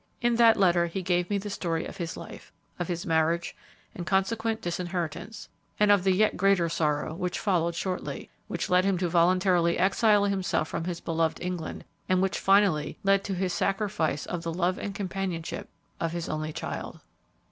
In that letter he gave me the story of his life, of his marriage and consequent disinheritance, and of the yet greater sorrow which followed shortly, which led him to voluntarily exile himself from his beloved England, and which finally led to his sacrifice of the love and companionship of his only child."